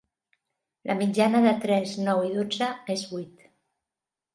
La mitjana de tres, nou i dotze és vuit.